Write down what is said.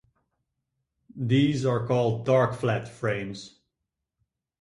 These are called Dark-Flat frames.